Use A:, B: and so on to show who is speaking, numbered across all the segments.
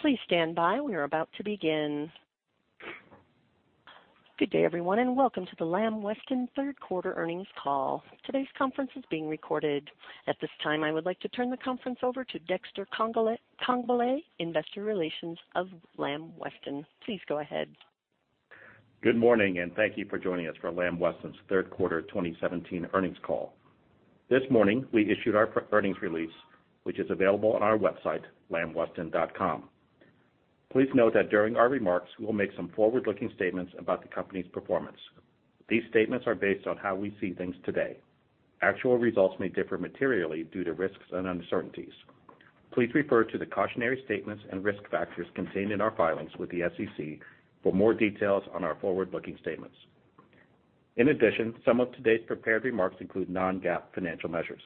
A: Please stand by. We are about to begin. Good day, everyone. Welcome to the Lamb Weston third quarter earnings call. Today's conference is being recorded. At this time, I would like to turn the conference over to Dexter Congbalay, Investor Relations of Lamb Weston. Please go ahead.
B: Good morning. Thank you for joining us for Lamb Weston's third quarter 2017 earnings call. This morning, we issued our earnings release, which is available on our website, lambweston.com. Please note that during our remarks, we'll make some forward-looking statements about the company's performance. These statements are based on how we see things today. Actual results may differ materially due to risks and uncertainties. Please refer to the cautionary statements and risk factors contained in our filings with the SEC for more details on our forward-looking statements. In addition, some of today's prepared remarks include non-GAAP financial measures.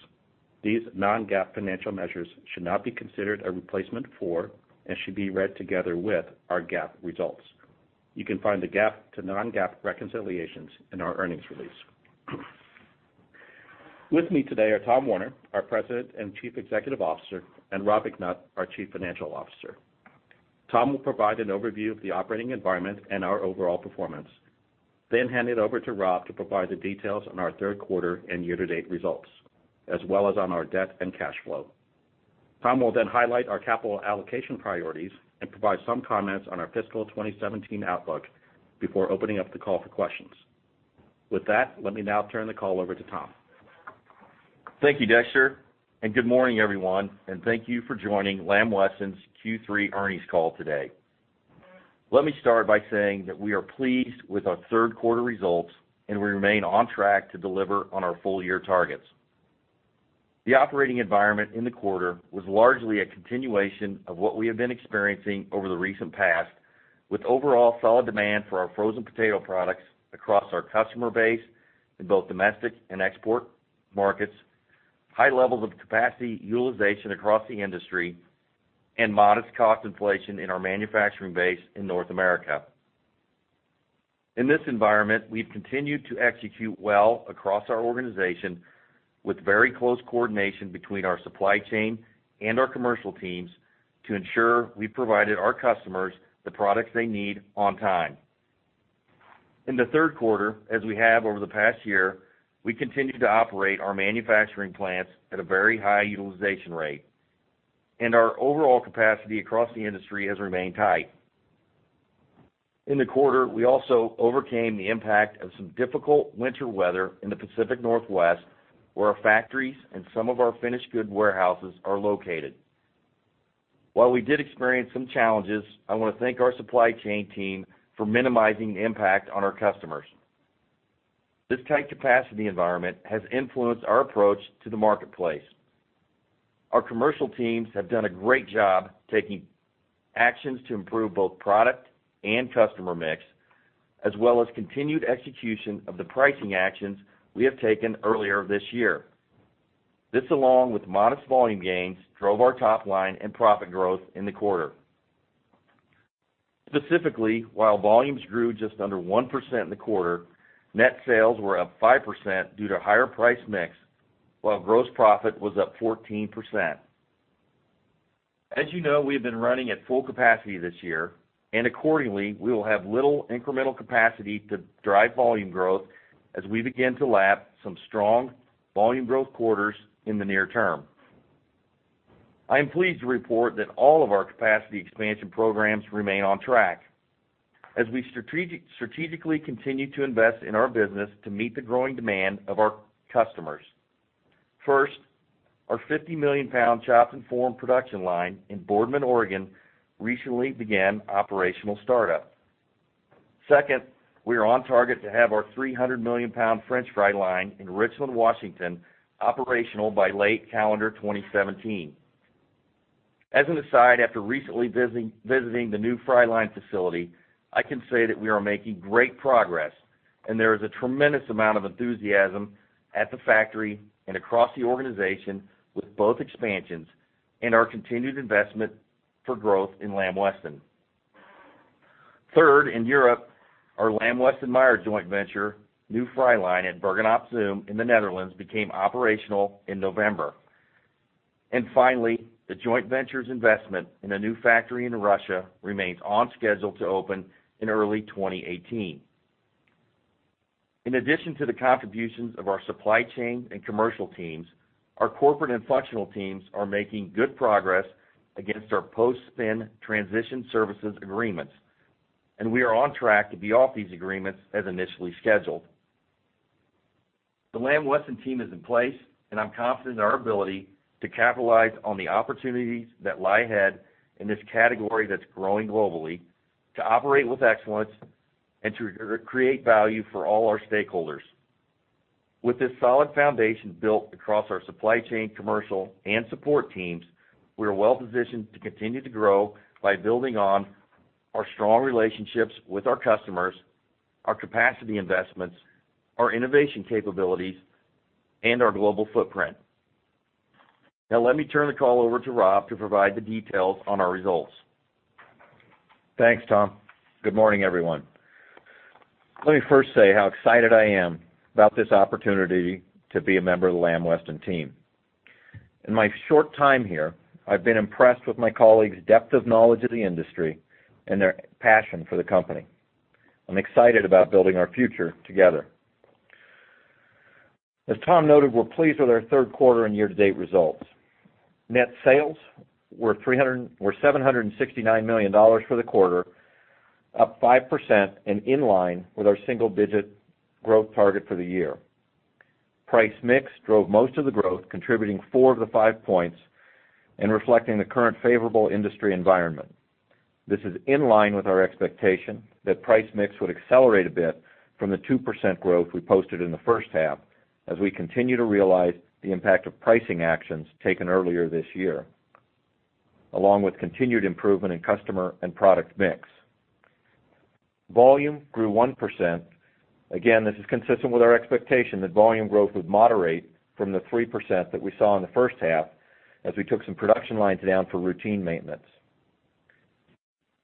B: These non-GAAP financial measures should not be considered a replacement for and should be read together with our GAAP results. You can find the GAAP to non-GAAP reconciliations in our earnings release. With me today are Tom Werner, our President and Chief Executive Officer, and Robert McNutt, our Chief Financial Officer. Tom will provide an overview of the operating environment and our overall performance, then hand it over to Rob to provide the details on our third quarter and year-to-date results, as well as on our debt and cash flow. Tom will then highlight our capital allocation priorities and provide some comments on our fiscal 2017 outlook before opening up the call for questions. Let me now turn the call over to Tom.
C: Thank you, Dexter. Good morning, everyone. Thank you for joining Lamb Weston's Q3 earnings call today. Let me start by saying that we are pleased with our third quarter results. We remain on track to deliver on our full-year targets. The operating environment in the quarter was largely a continuation of what we have been experiencing over the recent past, with overall solid demand for our frozen potato products across our customer base in both domestic and export markets, high levels of capacity utilization across the industry, and modest cost inflation in our manufacturing base in North America. In this environment, we've continued to execute well across our organization with very close coordination between our supply chain and our commercial teams to ensure we provided our customers the products they need on time. In the third quarter, as we have over the past year, we continued to operate our manufacturing plants at a very high utilization rate, and our overall capacity across the industry has remained tight. In the quarter, we also overcame the impact of some difficult winter weather in the Pacific Northwest, where our factories and some of our finished good warehouses are located. While we did experience some challenges, I want to thank our supply chain team for minimizing the impact on our customers. This tight capacity environment has influenced our approach to the marketplace. Our commercial teams have done a great job taking actions to improve both product and customer mix, as well as continued execution of the pricing actions we have taken earlier this year. This, along with modest volume gains, drove our top line and profit growth in the quarter. Specifically, while volumes grew just under 1% in the quarter, net sales were up 5% due to higher price mix, while gross profit was up 14%. As you know, we have been running at full capacity this year, and accordingly, we will have little incremental capacity to drive volume growth as we begin to lap some strong volume growth quarters in the near term. I am pleased to report that all of our capacity expansion programs remain on track as we strategically continue to invest in our business to meet the growing demand of our customers. First, our 50-million pound chopped and formed production line in Boardman, Oregon recently began operational startup. Second, we are on target to have our 300-million pound French fry line in Richland, Washington, operational by late calendar 2017. As an aside, after recently visiting the new fry line facility, I can say that we are making great progress, and there is a tremendous amount of enthusiasm at the factory and across the organization with both expansions and our continued investment for growth in Lamb Weston. Third, in Europe, our Lamb Weston/Meijer joint venture, new fry line at Bergen op Zoom in the Netherlands, became operational in November. Finally, the joint venture's investment in a new factory in Russia remains on schedule to open in early 2018. In addition to the contributions of our supply chain and commercial teams, our corporate and functional teams are making good progress against our post-spin transition services agreements, and we are on track to be off these agreements as initially scheduled. The Lamb Weston team is in place, and I'm confident in our ability to capitalize on the opportunities that lie ahead in this category that's growing globally, to operate with excellence, and to create value for all our stakeholders. With this solid foundation built across our supply chain, commercial, and support teams, we are well positioned to continue to grow by building on our strong relationships with our customers, our capacity investments, our innovation capabilities, and our global footprint. Now, let me turn the call over to Rob to provide the details on our results.
D: Thanks, Tom. Good morning, everyone. Let me first say how excited I am about this opportunity to be a member of the Lamb Weston team. In my short time here, I've been impressed with my colleagues' depth of knowledge of the industry and their passion for the company. I'm excited about building our future together. As Tom noted, we're pleased with our third quarter and year-to-date results. Net sales were $769 million for the quarter, up 5% and in line with our single-digit growth target for the year. Price mix drove most of the growth, contributing four of the five points and reflecting the current favorable industry environment. This is in line with our expectation that price mix would accelerate a bit from the 2% growth we posted in the first half, as we continue to realize the impact of pricing actions taken earlier this year, along with continued improvement in customer and product mix. Volume grew 1%. Again, this is consistent with our expectation that volume growth would moderate from the 3% that we saw in the first half, as we took some production lines down for routine maintenance.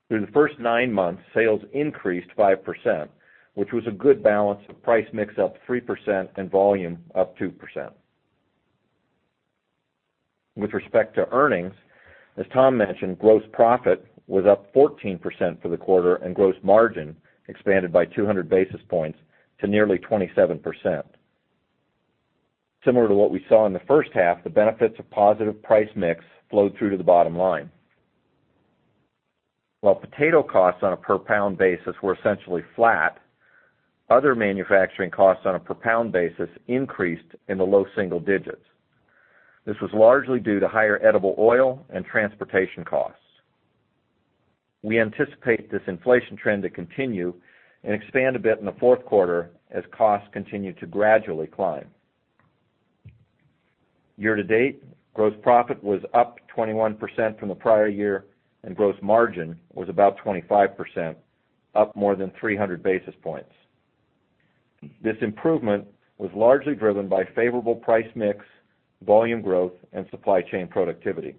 D: Through the first nine months, sales increased 5%, which was a good balance of price mix up 3% and volume up 2%. With respect to earnings, as Tom mentioned, gross profit was up 14% for the quarter, and gross margin expanded by 200 basis points to nearly 27%. Similar to what we saw in the first half, the benefits of positive price mix flowed through to the bottom line. While potato costs on a per pound basis were essentially flat, other manufacturing costs on a per pound basis increased in the low single digits. This was largely due to higher edible oil and transportation costs. We anticipate this inflation trend to continue and expand a bit in the fourth quarter as costs continue to gradually climb. Year-to-date, gross profit was up 21% from the prior year, and gross margin was about 25%, up more than 300 basis points. This improvement was largely driven by favorable price mix, volume growth, and supply chain productivity.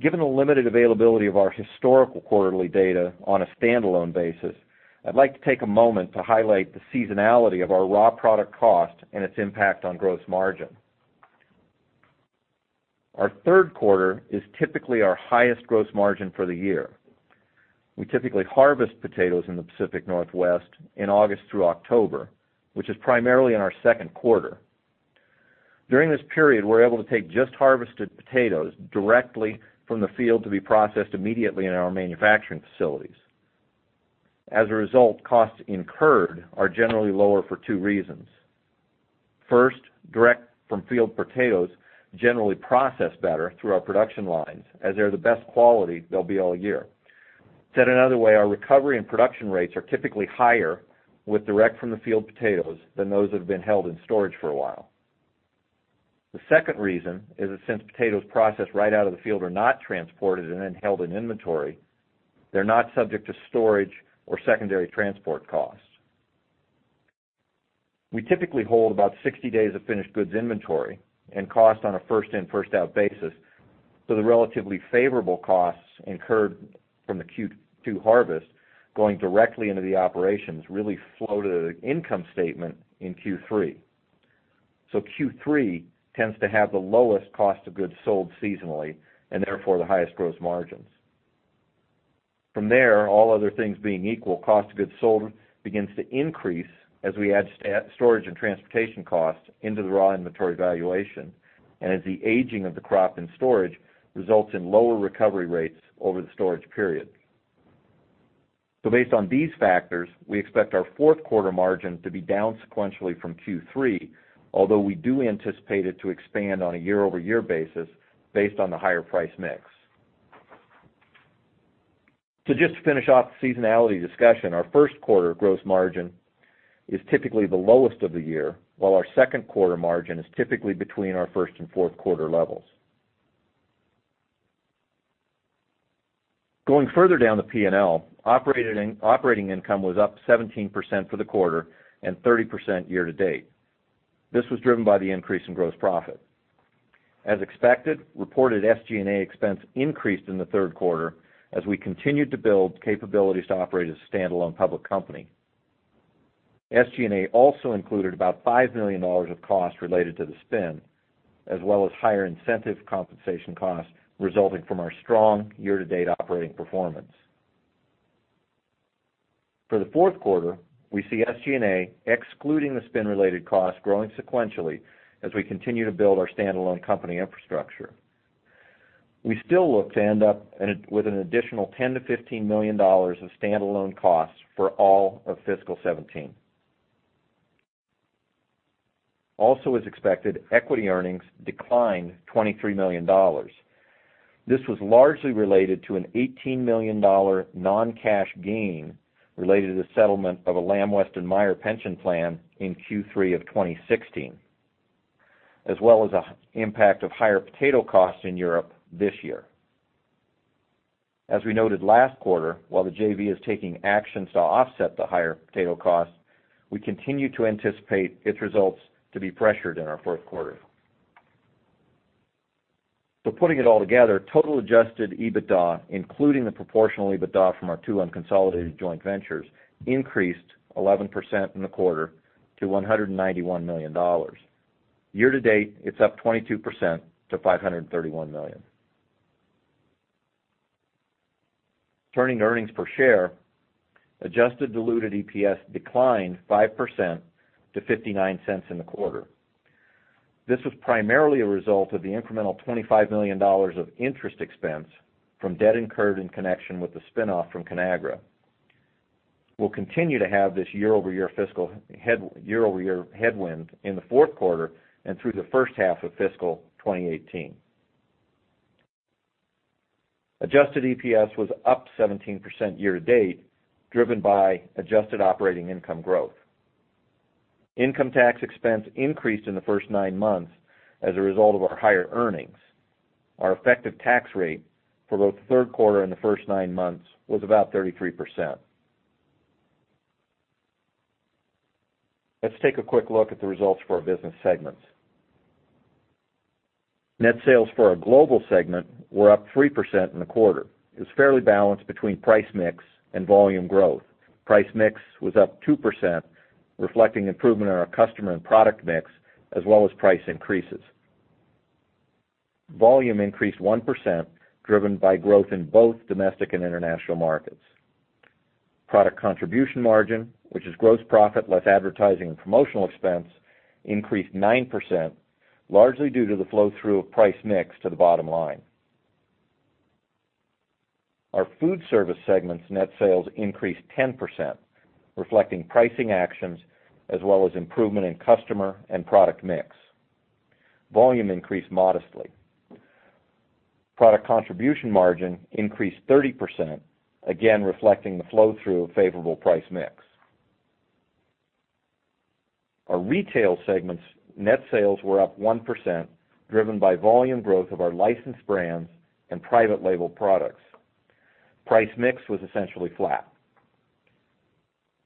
D: Given the limited availability of our historical quarterly data on a standalone basis, I'd like to take a moment to highlight the seasonality of our raw product cost and its impact on gross margin. Our third quarter is typically our highest gross margin for the year. We typically harvest potatoes in the Pacific Northwest in August through October, which is primarily in our second quarter. During this period, we're able to take just harvested potatoes directly from the field to be processed immediately in our manufacturing facilities. As a result, costs incurred are generally lower for two reasons. First, direct from field potatoes generally process better through our production lines as they're the best quality they'll be all year. Said another way, our recovery and production rates are typically higher with direct from the field potatoes than those that have been held in storage for a while. The second reason is that since potatoes processed right out of the field are not transported and then held in inventory, they are not subject to storage or secondary transport costs. We typically hold about 60 days of finished goods inventory and cost on a first in, first out basis, so the relatively favorable costs incurred from the Q2 harvest going directly into the operations really flow to the income statement in Q3. Q3 tends to have the lowest cost of goods sold seasonally, and therefore, the highest gross margins. From there, all other things being equal, cost of goods sold begins to increase as we add storage and transportation costs into the raw inventory valuation, and as the aging of the crop in storage results in lower recovery rates over the storage period. Based on these factors, we expect our fourth quarter margin to be down sequentially from Q3, although we do anticipate it to expand on a year-over-year basis based on the higher price mix. Just to finish off the seasonality discussion, our first quarter gross margin is typically the lowest of the year, while our second quarter margin is typically between our first and fourth quarter levels. Going further down the P&L, operating income was up 17% for the quarter and 30% year to date. This was driven by the increase in gross profit. As expected, reported SGA expense increased in the third quarter as we continued to build capabilities to operate as a standalone public company. SGA also included about $5 million of costs related to the spin, as well as higher incentive compensation costs resulting from our strong year-to-date operating performance. For the fourth quarter, we see SGA, excluding the spin-related costs, growing sequentially as we continue to build our standalone company infrastructure. We still look to end up with an additional $10 million-$15 million of standalone costs for all of fiscal 2017. Also as expected, equity earnings declined $23 million. This was largely related to an $18 million non-cash gain related to the settlement of a Lamb Weston/Meijer pension plan in Q3 of 2016, as well as the impact of higher potato costs in Europe this year. As we noted last quarter, while the JV is taking actions to offset the higher potato costs, we continue to anticipate its results to be pressured in our fourth quarter. Putting it all together, total adjusted EBITDA, including the proportional EBITDA from our two unconsolidated joint ventures, increased 11% in the quarter to $191 million. Year to date, it is up 22% to $531 million. Turning to earnings per share, adjusted diluted EPS declined 5% to $0.59 in the quarter. This was primarily a result of the incremental $25 million of interest expense from debt incurred in connection with the spin-off from Conagra. We will continue to have this year-over-year headwind in the fourth quarter and through the first half of fiscal 2018. Adjusted EPS was up 17% year to date, driven by adjusted operating income growth. Income tax expense increased in the first nine months as a result of our higher earnings. Our effective tax rate for both the third quarter and the first nine months was about 33%. Let us take a quick look at the results for our Global segment. Net sales for our Global segment were up 3% in the quarter. It was fairly balanced between price mix and volume growth. Price mix was up 2%, reflecting improvement in our customer and product mix, as well as price increases. Volume increased 1%, driven by growth in both domestic and international markets. Product contribution margin, which is gross profit less advertising and promotional expense, increased 9%, largely due to the flow-through of price mix to the bottom line. Our food service segment's net sales increased 10%, reflecting pricing actions as well as improvement in customer and product mix. Volume increased modestly. Product contribution margin increased 30%, again reflecting the flow-through of favorable price mix. Our retail segment's net sales were up 1%, driven by volume growth of our licensed brands and private label products. Price mix was essentially flat.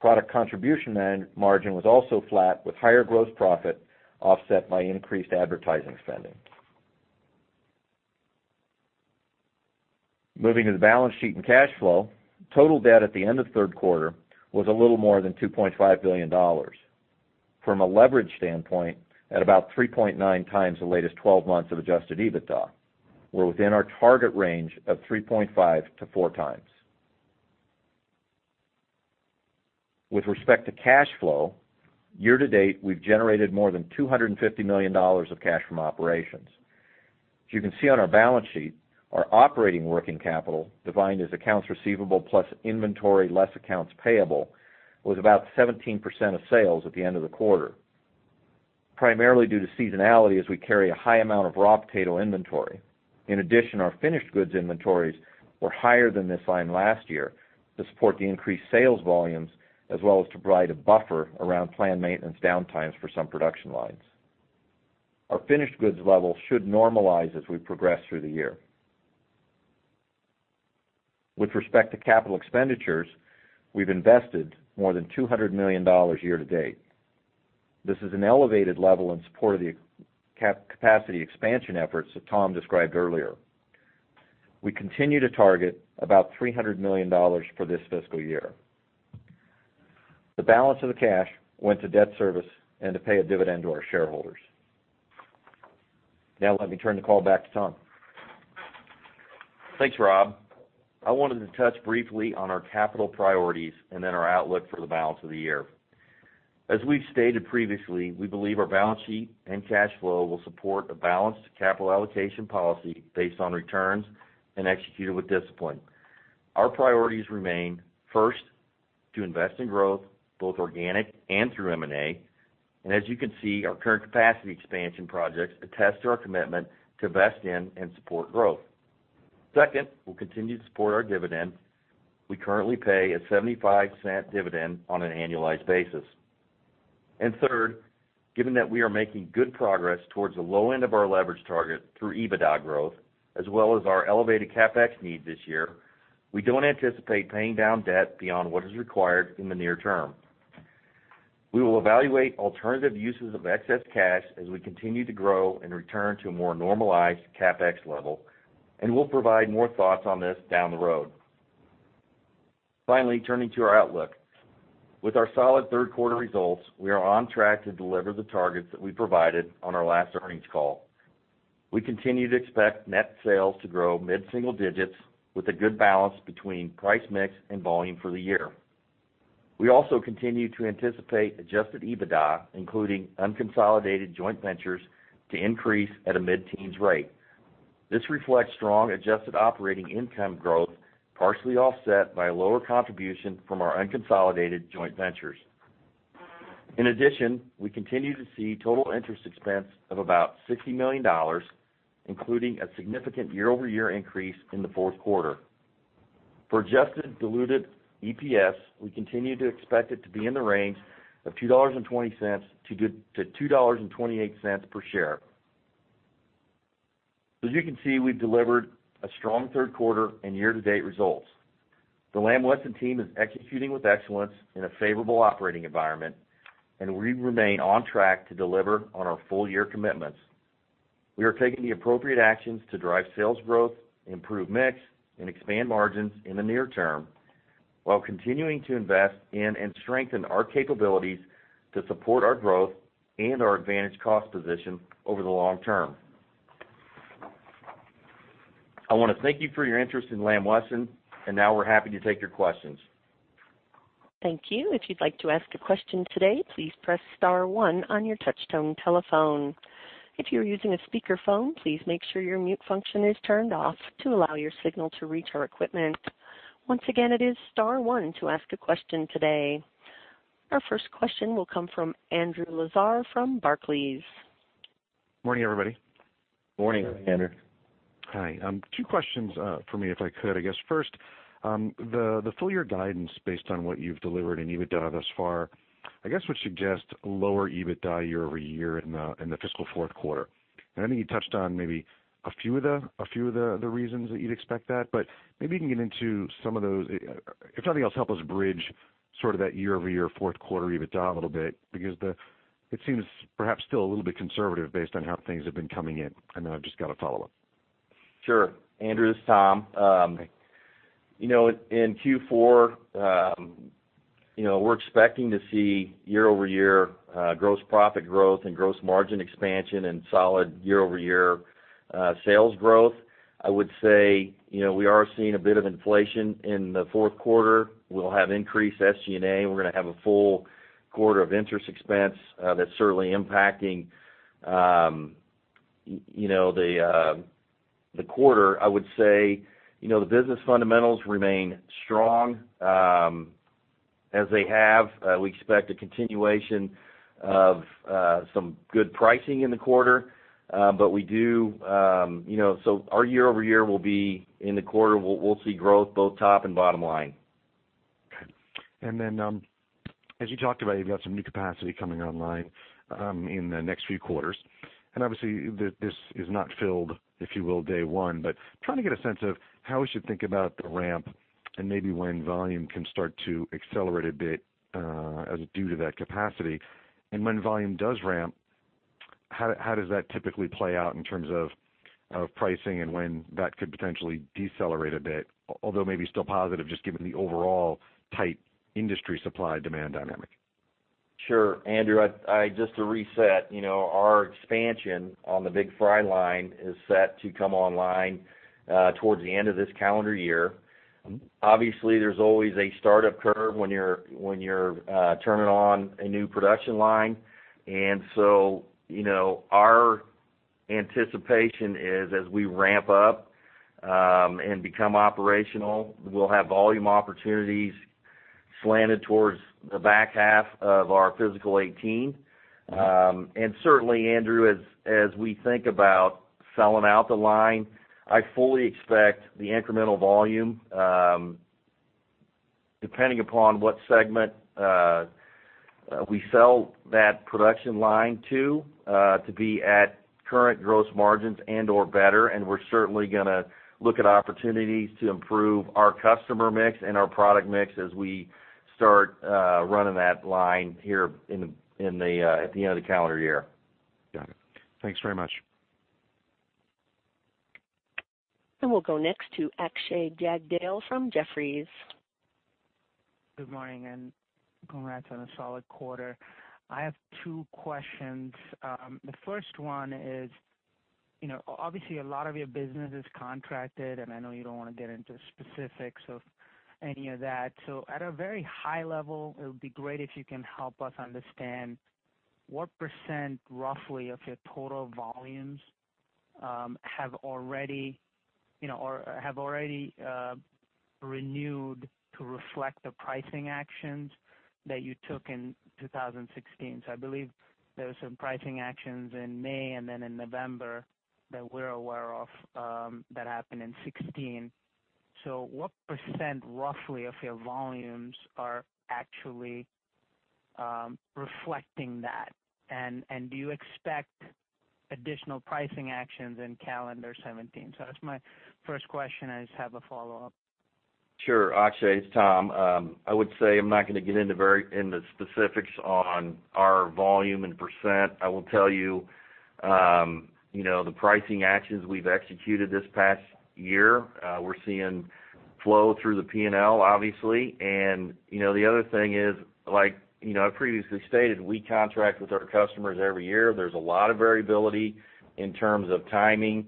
D: Product contribution margin was also flat, with higher gross profit offset by increased advertising spending. Moving to the balance sheet and cash flow, total debt at the end of the third quarter was a little more than $2.5 billion. From a leverage standpoint, at about 3.9 times the latest 12 months of adjusted EBITDA, we're within our target range of 3.5-4 times. With respect to cash flow, year to date, we've generated more than $250 million of cash from operations. As you can see on our balance sheet, our operating working capital, defined as accounts receivable plus inventory less accounts payable, was about 17% of sales at the end of the quarter, primarily due to seasonality as we carry a high amount of raw potato inventory. In addition, our finished goods inventories were higher than this time last year to support the increased sales volumes as well as to provide a buffer around planned maintenance downtimes for some production lines. Our finished goods level should normalize as we progress through the year. With respect to capital expenditures, we've invested more than $200 million year to date. This is an elevated level in support of the capacity expansion efforts that Tom described earlier. We continue to target about $300 million for this fiscal year. The balance of the cash went to debt service and to pay a dividend to our shareholders. Now let me turn the call back to Tom.
C: Thanks, Rob. I wanted to touch briefly on our capital priorities and then our outlook for the balance of the year. As we've stated previously, we believe our balance sheet and cash flow will support a balanced capital allocation policy based on returns and executed with discipline. Our priorities remain, first, to invest in growth, both organic and through M&A. As you can see, our current capacity expansion projects attest to our commitment to invest in and support growth. Second, we'll continue to support our dividend. We currently pay a $0.75 dividend on an annualized basis. Third, given that we are making good progress towards the low end of our leverage target through EBITDA growth, as well as our elevated CapEx needs this year, we don't anticipate paying down debt beyond what is required in the near term. We will evaluate alternative uses of excess cash as we continue to grow and return to a more normalized CapEx level. We'll provide more thoughts on this down the road. Finally, turning to our outlook. With our solid third quarter results, we are on track to deliver the targets that we provided on our last earnings call. We continue to expect net sales to grow mid-single digits with a good balance between price mix and volume for the year. We also continue to anticipate adjusted EBITDA, including unconsolidated joint ventures, to increase at a mid-teens rate. This reflects strong adjusted operating income growth, partially offset by lower contribution from our unconsolidated joint ventures. We continue to see total interest expense of about $60 million, including a significant year-over-year increase in the fourth quarter. For adjusted diluted EPS, we continue to expect it to be in the range of $2.20 to $2.28 per share. You can see, we've delivered a strong third quarter and year-to-date results. The Lamb Weston team is executing with excellence in a favorable operating environment. We remain on track to deliver on our full-year commitments. We are taking the appropriate actions to drive sales growth, improve mix, and expand margins in the near term, while continuing to invest in and strengthen our capabilities to support our growth and our advantage cost position over the long term. I want to thank you for your interest in Lamb Weston. Now we're happy to take your questions.
A: Thank you. If you'd like to ask a question today, please press *1 on your touchtone telephone. If you're using a speakerphone, please make sure your mute function is turned off to allow your signal to reach our equipment. Once again, it is *1 to ask a question today. Our first question will come from Andrew Lazar from Barclays.
E: Morning, everybody.
C: Morning, Andrew.
E: Hi. Two questions for me, if I could. I guess first, the full year guidance based on what you've delivered in EBITDA thus far, I guess would suggest lower EBITDA year-over-year in the fiscal fourth quarter. I know you touched on maybe a few of the reasons that you'd expect that, maybe you can get into some of those. If nothing else, help us bridge sort of that year-over-year fourth quarter EBITDA a little bit, because it seems perhaps still a little bit conservative based on how things have been coming in. I've just got a follow-up.
C: Sure. Andrew, this is Tom. In Q4, we're expecting to see year-over-year gross profit growth and gross margin expansion, solid year-over-year sales growth. I would say, we are seeing a bit of inflation in the fourth quarter. We'll have increased SG&A. We're going to have a full quarter of interest expense that's certainly impacting the quarter. I would say, the business fundamentals remain strong as they have. We expect a continuation of some good pricing in the quarter. Our year-over-year will be in the quarter, we'll see growth both top and bottom line.
E: As you talked about, you've got some new capacity coming online in the next few quarters. Obviously, this is not filled, if you will, day one. Trying to get a sense of how we should think about the ramp and maybe when volume can start to accelerate a bit as due to that capacity. When volume does ramp, how does that typically play out in terms of pricing and when that could potentially decelerate a bit, although maybe still positive just given the overall tight industry supply-demand dynamic?
C: Sure. Andrew, just to reset, our expansion on the big fry line is set to come online towards the end of this calendar year. Obviously, there's always a startup curve when you're turning on a new production line. Our anticipation is as we ramp up and become operational, we'll have volume opportunities slanted towards the back half of our physical 2018. Certainly, Andrew, as we think about selling out the line, I fully expect the incremental volume, depending upon what segment we sell that production line to be at current gross margins and/or better. We're certainly going to look at opportunities to improve our customer mix and our product mix as we start running that line here at the end of the calendar year.
E: Got it. Thanks very much.
A: We'll go next to Akshay Jagdale from Jefferies.
F: Good morning, congrats on a solid quarter. I have two questions. The first one is, obviously a lot of your business is contracted, and I know you don't want to get into specifics of any of that. At a very high level, it would be great if you can help us understand what % roughly of your total volumes have already renewed to reflect the pricing actions that you took in 2016. I believe there were some pricing actions in May and then in November that we're aware of that happened in 2016. What % roughly of your volumes are actually reflecting that? Do you expect additional pricing actions in calendar 2017? That's my first question. I just have a follow-up.
C: Sure, Akshay. It's Tom. I would say I'm not going to get into specifics on our volume and %. I will tell you the pricing actions we've executed this past year, we're seeing flow through the P&L obviously. The other thing is, like I previously stated, we contract with our customers every year. There's a lot of variability in terms of timing.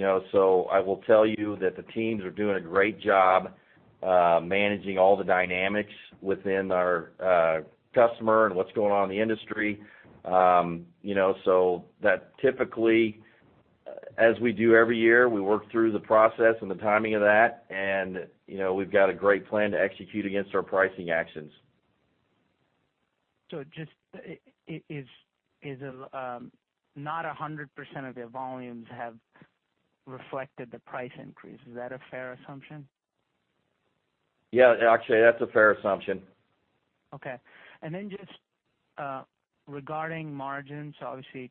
C: I will tell you that the teams are doing a great job managing all the dynamics within our customer and what's going on in the industry. That typically, as we do every year, we work through the process and the timing of that, and we've got a great plan to execute against our pricing actions.
F: Just, not 100% of your volumes have reflected the price increase. Is that a fair assumption?
D: Yeah, Akshay, that's a fair assumption.
F: Okay. Just regarding margins, obviously,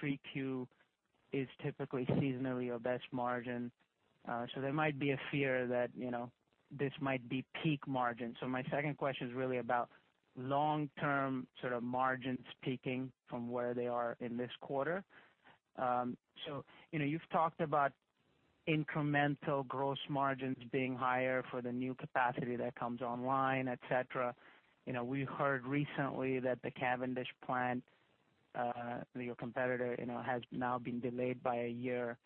F: 3Q is typically seasonally your best margin. There might be a fear that this might be peak margin. My second question is really about long-term margin peaking from where they are in this quarter. You've talked about incremental gross margins being higher for the new capacity that comes online, et cetera. We heard recently that the Cavendish plant, your competitor, has now been delayed by a year.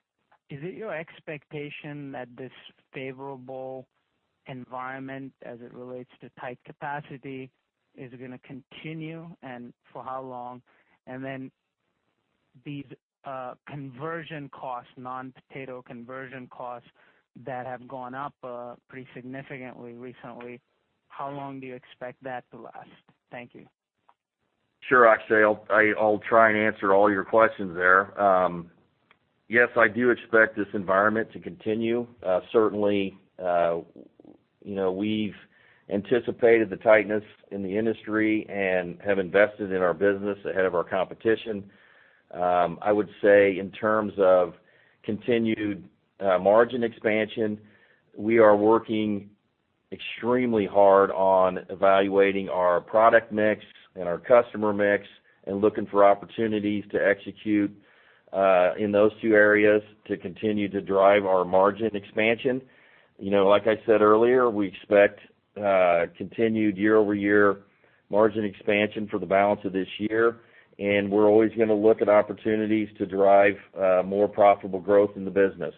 F: Is it your expectation that this favorable environment, as it relates to tight capacity, is going to continue, and for how long? Then these conversion costs, non-potato conversion costs that have gone up pretty significantly recently, how long do you expect that to last? Thank you.
C: Sure, Akshay. I'll try and answer all your questions there. Yes, I do expect this environment to continue. Certainly, we've anticipated the tightness in the industry and have invested in our business ahead of our competition. I would say in terms of continued margin expansion, we are working extremely hard on evaluating our product mix and our customer mix and looking for opportunities to execute in those two areas to continue to drive our margin expansion. Like I said earlier, we expect continued year-over-year margin expansion for the balance of this year. We're always going to look at opportunities to drive more profitable growth in the business.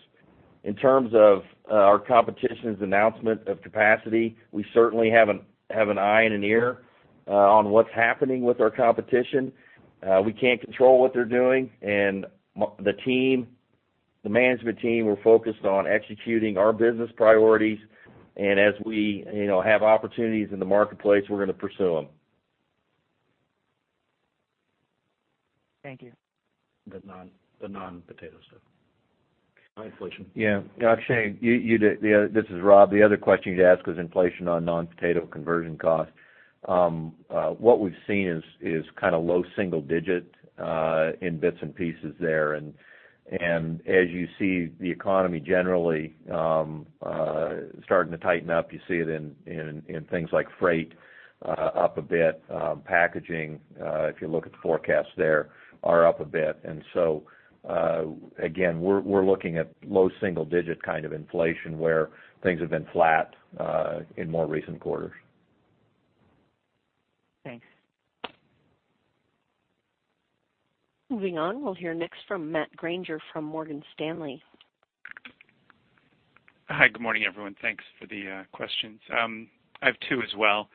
C: In terms of our competition's announcement of capacity, we certainly have an eye and an ear on what's happening with our competition. We can't control what they're doing. The management team, we're focused on executing our business priorities.
D: As we have opportunities in the marketplace, we're going to pursue them.
F: Thank you.
B: The non-potato stuff. On inflation.
D: Yeah. Akshay, this is Rob. The other question you'd asked was inflation on non-potato conversion costs. What we've seen is low single-digit in bits and pieces there. As you see the economy generally starting to tighten up, you see it in things like freight up a bit, packaging, if you look at the forecasts there, are up a bit. Again, we're looking at low single-digit kind of inflation, where things have been flat in more recent quarters.
F: Thanks.
A: Moving on, we'll hear next from Matthew Grainger from Morgan Stanley.
G: Hi, good morning, everyone. Thanks for the questions. I have two as well.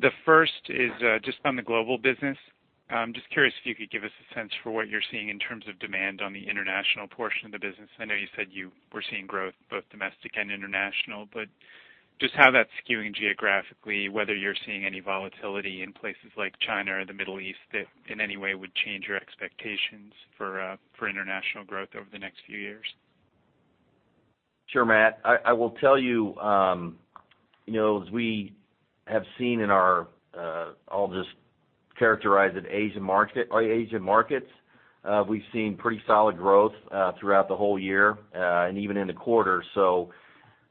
G: The first is just on the global business. I'm just curious if you could give us a sense for what you're seeing in terms of demand on the international portion of the business. I know you said you were seeing growth both domestic and international, but just how that's skewing geographically, whether you're seeing any volatility in places like China or the Middle East that in any way would change your expectations for international growth over the next few years.
C: Sure, Matt. I will tell you, as we have seen in our, I'll just characterize it, Asian markets, we've seen pretty solid growth throughout the whole year, and even in the quarter.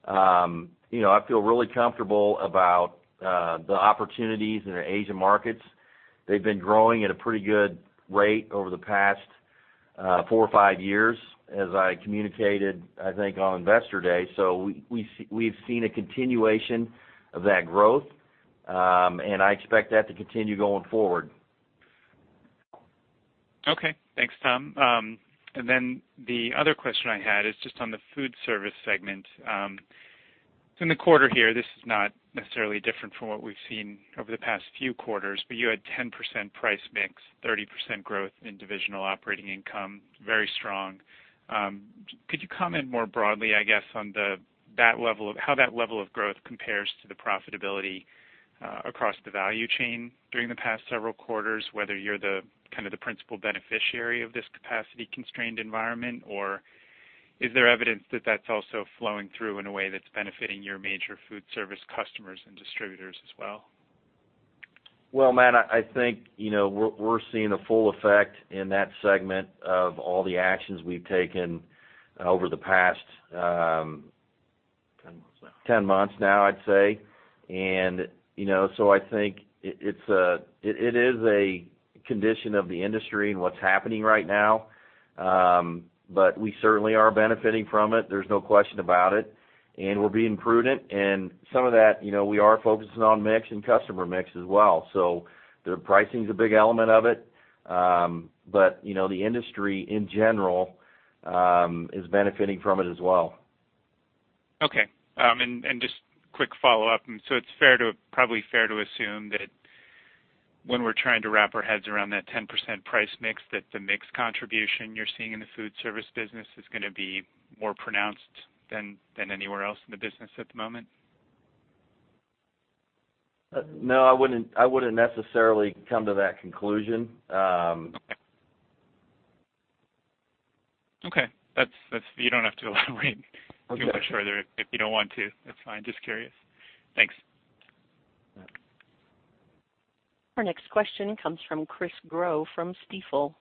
C: I feel really comfortable about the opportunities in the Asian markets. They've been growing at a pretty good rate over the past four or five years, as I communicated, I think, on Investor Day. We've seen a continuation of that growth, and I expect that to continue going forward.
G: Okay. Thanks, Tom. The other question I had is just on the food service segment. In the quarter here, this is not necessarily different from what we've seen over the past few quarters, but you had 10% price mix, 30% growth in divisional operating income, very strong. Could you comment more broadly, I guess, on how that level of growth compares to the profitability across the value chain during the past several quarters, whether you're the principal beneficiary of this capacity-constrained environment, or is there evidence that that's also flowing through in a way that's benefiting your major food service customers and distributors as well?
C: Well, Matt, I think we're seeing the full effect in that segment of all the actions we've taken over the past.
B: 10 months now.
D: 10 months now, I'd say. I think it is a condition of the industry and what's happening right now, we certainly are benefiting from it. There's no question about it. We're being prudent, and some of that we are focusing on mix and customer mix as well. The pricing is a big element of it. The industry in general is benefiting from it as well.
G: Okay. Just quick follow-up. It's probably fair to assume that when we're trying to wrap our heads around that 10% price mix, that the mix contribution you're seeing in the food service business is going to be more pronounced than anywhere else in the business at the moment?
C: No, I wouldn't necessarily come to that conclusion.
G: Okay. You don't have to elaborate too much further if you don't want to, that's fine. Just curious. Thanks.
A: Our next question comes from Chris Growe from Stifel.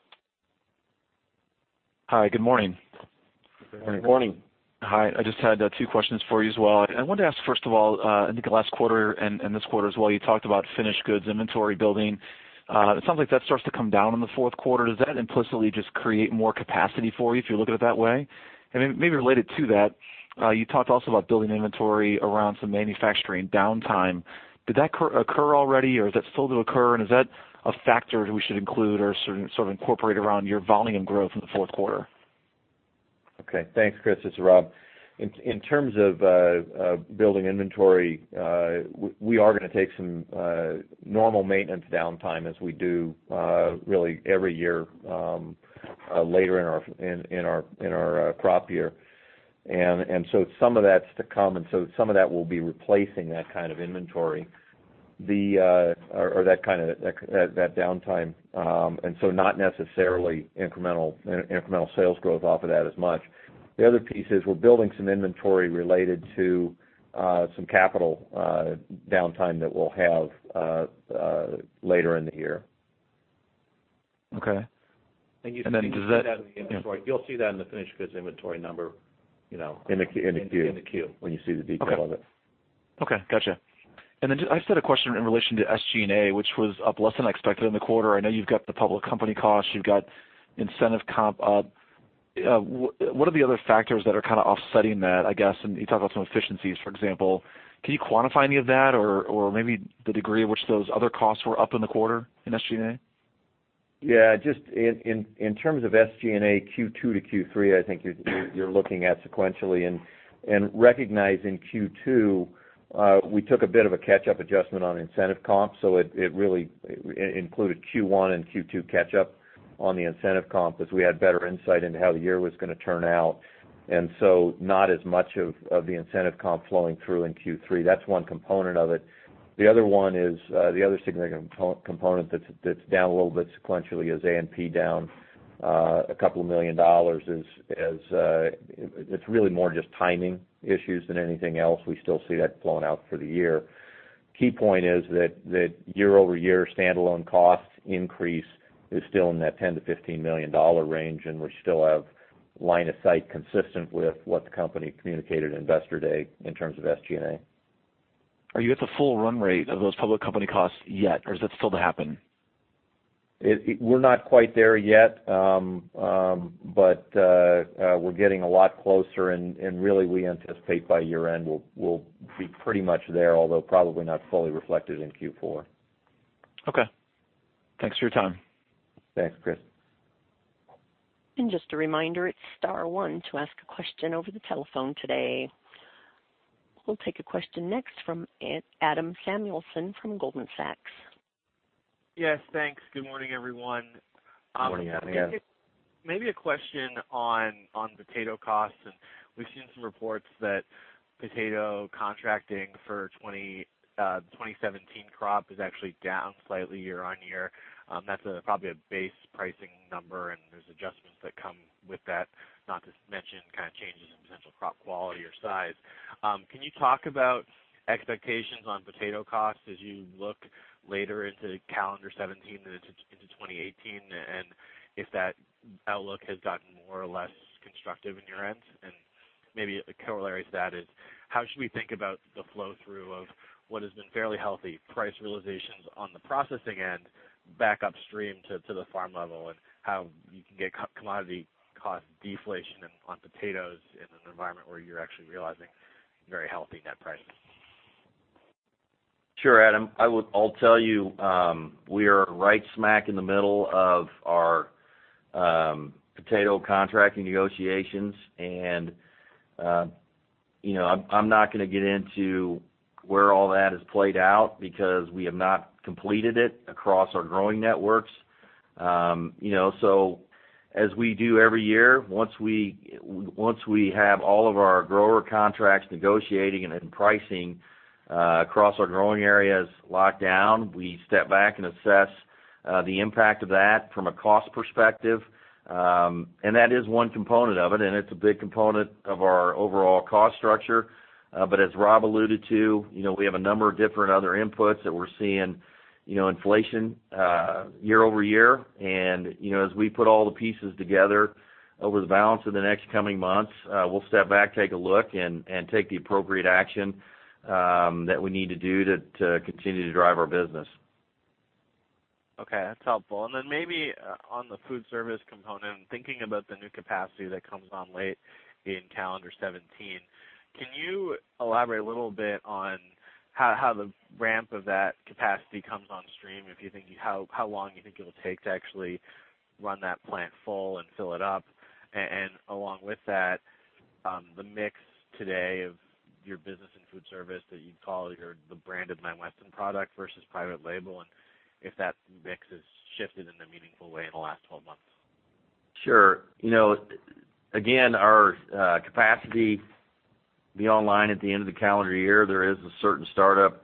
H: Hi, good morning.
C: Good morning.
H: Hi. I just had two questions for you as well. I wanted to ask, first of all, I think last quarter and this quarter as well, you talked about finished goods inventory building. It sounds like that starts to come down in the fourth quarter. Does that implicitly just create more capacity for you if you look at it that way? Maybe related to that, you talked also about building inventory around some manufacturing downtime. Did that occur already, or is that still to occur, and is that a factor that we should include or sort of incorporate around your volume growth in the fourth quarter?
D: Okay. Thanks, Chris. It's Rob. In terms of building inventory, we are going to take some normal maintenance downtime, as we do really every year later in our crop year. Some of that's to come, and so some of that will be replacing that kind of inventory, or that downtime. Not necessarily incremental sales growth off of that as much. The other piece is we're building some inventory related to some capital downtime that we'll have later in the year.
H: Okay. Does that-
D: You'll see that in the finished goods inventory number.
H: In the Q.
D: In the Q.
H: When you see the detail of it. Okay, got you. Then just, I just had a question in relation to SGA, which was up less than I expected in the quarter. I know you've got the public company costs, you've got incentive comp up. What are the other factors that are offsetting that, I guess, and you talked about some efficiencies, for example. Can you quantify any of that or maybe the degree at which those other costs were up in the quarter in SGA?
D: Yeah. Just in terms of SGA Q2 to Q3, I think you're looking at sequentially and recognizing Q2, we took a bit of a catch-up adjustment on incentive comp, so it really included Q1 and Q2 catch-up on the incentive comp as we had better insight into how the year was going to turn out. So not as much of the incentive comp flowing through in Q3. That's one component of it. The other significant component that's down a little bit sequentially is A&P down a couple of million dollars. It's really more just timing issues than anything else. We still see that flowing out for the year. Key point is that year-over-year standalone costs increase is still in that $10 million-$15 million range, and we still have line of sight consistent with what the company communicated at Investor Day in terms of SGA.
H: Are you at the full run rate of those public company costs yet, or is that still to happen?
D: We're not quite there yet. We're getting a lot closer and really we anticipate by year-end, we'll be pretty much there, although probably not fully reflected in Q4.
H: Okay. Thanks for your time.
D: Thanks, Chris.
A: Just a reminder, it's star one to ask a question over the telephone today. We'll take a question next from Adam Samuelson from Goldman Sachs.
I: Yes, thanks. Good morning, everyone.
C: Morning, Adam.
I: Maybe a question on potato costs. We've seen some reports that potato contracting for 2017 crop is actually down slightly year-over-year. That's probably a base pricing number. There's adjustments that come with that, not to mention changes in potential crop quality or size. Can you talk about expectations on potato costs as you look later into calendar 2017 and into 2018, if that outlook has gotten more or less constructive in your end? Maybe a corollary to that is, how should we think about the flow-through of what has been fairly healthy price realizations on the processing end back upstream to the farm level, how you can get commodity cost deflation on potatoes in an environment where you're actually realizing very healthy net prices?
C: Sure, Adam. I'll tell you, we are right smack in the middle of our potato contracting negotiations. I'm not going to get into where all that is played out because we have not completed it across our growing networks. As we do every year, once we have all of our grower contracts negotiating and pricing across our growing areas locked down, we step back and assess the impact of that from a cost perspective. That is one component of it, and it's a big component of our overall cost structure. As Rob McNutt alluded to, we have a number of different other inputs that we're seeing inflation year-over-year. As we put all the pieces together over the balance of the next coming months, we'll step back, take a look, and take the appropriate action that we need to do to continue to drive our business.
I: Okay. That's helpful. Maybe on the food service component, thinking about the new capacity that comes on late in calendar 2017, can you elaborate a little bit on how the ramp of that capacity comes on stream, how long you think it'll take to actually run that plant full and fill it up? Along with that, the mix today of your business and food service that you'd call the branded Lamb Weston product versus private label, and if that mix has shifted in a meaningful way in the last 12 months.
C: Sure. Again, our capacity will be online at the end of the calendar year. There is a certain startup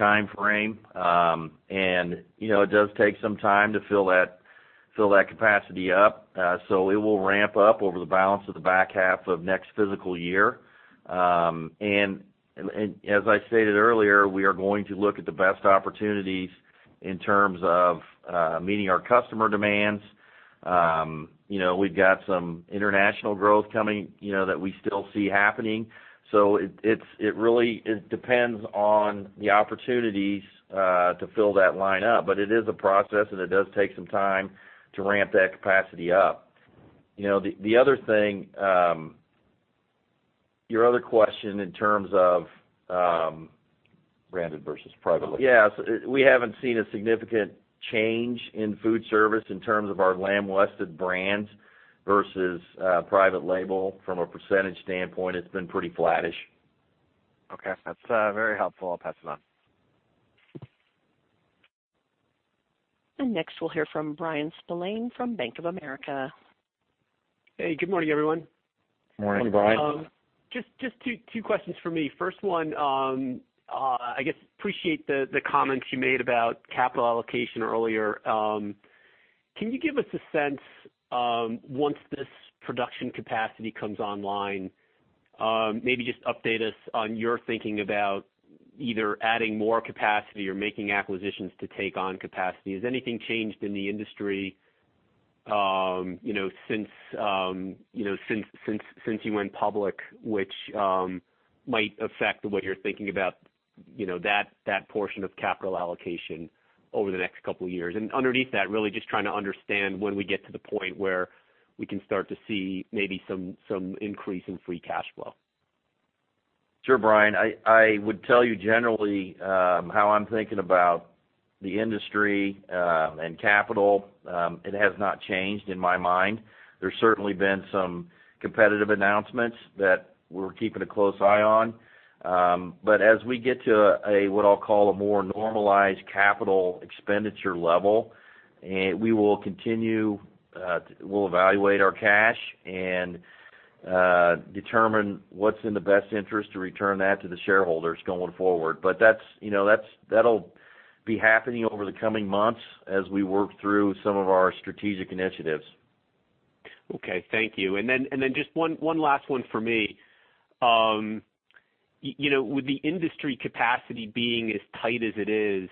C: timeframe. It does take some time to fill that capacity up. It will ramp up over the balance of the back half of next physical year. As I stated earlier, we are going to look at the best opportunities in terms of meeting our customer demands. We've got some international growth coming, that we still see happening. It really depends on the opportunities, to fill that line up. It is a process, and it does take some time to ramp that capacity up. The other thing, your other question in terms of
D: Branded versus private label.
C: Yes. We haven't seen a significant change in food service in terms of our Lamb Weston brands versus private label. From a percentage standpoint, it's been pretty flattish.
I: Okay. That's very helpful. I'll pass it on.
A: Next we'll hear from Bryan Spillane from Bank of America.
J: Hey, good morning, everyone.
C: Morning, Bryan.
J: Just two questions from me. First one, I guess appreciate the comments you made about capital allocation earlier. Can you give us a sense, once this production capacity comes online, maybe just update us on your thinking about either adding more capacity or making acquisitions to take on capacity. Has anything changed in the industry since you went public, which might affect what you're thinking about that portion of capital allocation over the next couple of years? Underneath that, really just trying to understand when we get to the point where we can start to see maybe some increase in free cash flow.
C: Sure, Bryan. I would tell you generally, how I'm thinking about the industry, and capital, it has not changed in my mind. There's certainly been some competitive announcements that we're keeping a close eye on. As we get to a, what I'll call a more normalized capital expenditure level, we will continue to evaluate our cash and determine what's in the best interest to return that to the shareholders going forward. That'll be happening over the coming months as we work through some of our strategic initiatives.
J: Okay. Thank you. Then just one last one for me. With the industry capacity being as tight as it is,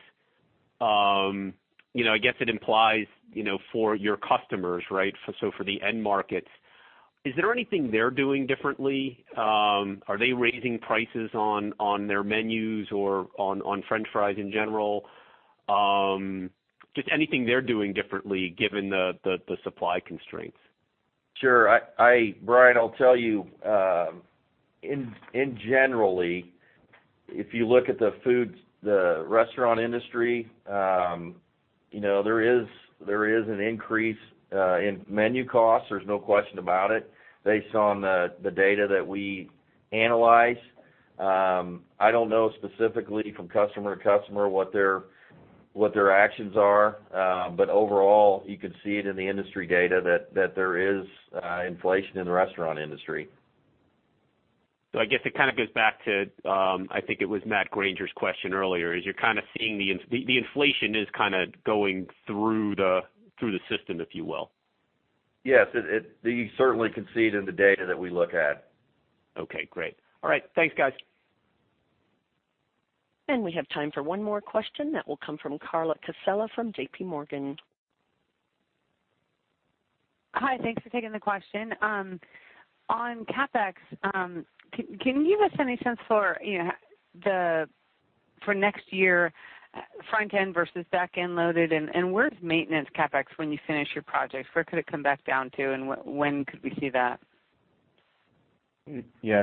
J: I guess it implies for your customers, right? For the end markets, is there anything they're doing differently? Are they raising prices on their menus or on french fries in general? Just anything they're doing differently given the supply constraints.
C: Sure. Bryan, I'll tell you, in generally, if you look at the restaurant industry, there is an increase in menu costs. There's no question about it, based on the data that we analyze. I don't know specifically from customer to customer what their actions are. Overall, you can see it in the industry data that there is inflation in the restaurant industry.
J: I guess it kind of goes back to, I think it was Matthew Grainger's question earlier, is you're kind of seeing the inflation is kind of going through the system, if you will.
C: Yes. You certainly can see it in the data that we look at.
J: Okay, great. All right. Thanks, guys.
A: We have time for one more question that will come from Carla Casella from JP Morgan.
K: Hi, thanks for taking the question. On CapEx, can you give us any sense for next year, front-end versus back-end loaded, and where's maintenance CapEx when you finish your projects? Where could it come back down to and when could we see that?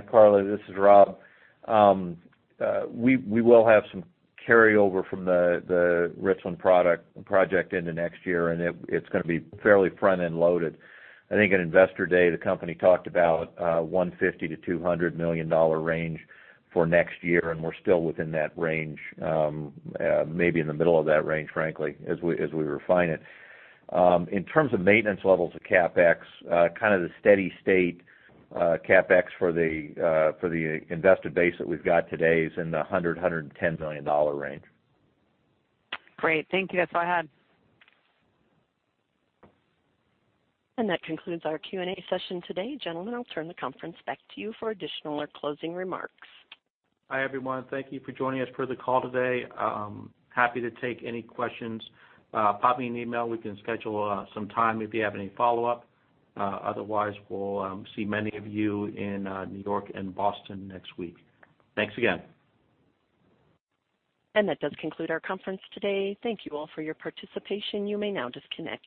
D: Carla, this is Rob McNutt. We will have some carryover from the Richland project into next year. It's going to be fairly front-end loaded. I think at Investor Day, the company talked about $150 million-$200 million range for next year. We're still within that range. Maybe in the middle of that range, frankly, as we refine it. In terms of maintenance levels of CapEx, kind of the steady state CapEx for the invested base that we've got today is in the $100 million, $110 million range.
K: Great. Thank you. That's all I had.
A: That concludes our Q&A session today. Gentlemen, I'll turn the conference back to you for additional or closing remarks.
B: Hi, everyone. Thank you for joining us for the call today. Happy to take any questions. Pop me an email. We can schedule some time if you have any follow-up. Otherwise, we'll see many of you in New York and Boston next week. Thanks again.
A: That does conclude our conference today. Thank you all for your participation. You may now disconnect your-